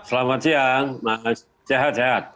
selamat siang pak fikar